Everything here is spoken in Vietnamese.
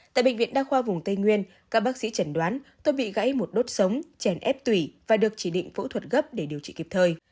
tại bệnh viện đa khoa vùng tây nguyên các bác sĩ chẩn đoán tôi bị gãy một đốt sống chèn ép tùy và được chỉ định phẫu thuật gấp để điều trị kịp thời